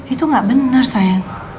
itu gak benar sayang